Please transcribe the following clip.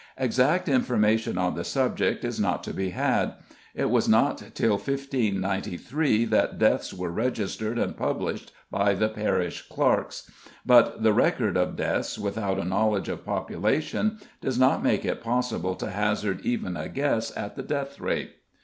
Exact information on the subject is not to be had. It was not till 1593 that deaths were registered and published by the parish clerks, but the record of deaths without a knowledge of population does not make it possible to hazard even a guess at the death rate.